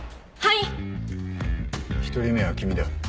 １人目は君だ。